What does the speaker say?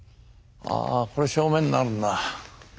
ああこれが正面になるんだ。